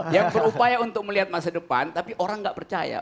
yang berupaya untuk melihat masa depan tapi orang nggak percaya